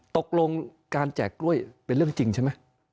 ตกลงการแจกกล้วยเป็นเรื่องจริงใช่ไหม